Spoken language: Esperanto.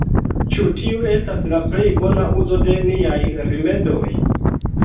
Ĉu tiu estas la plej bona uzo de niaj rimedoj?